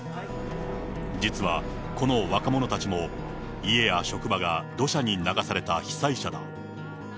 実はこの若者たちも、家や職場が土砂に流された被災者だ。